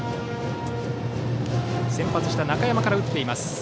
先発した中山から打っています。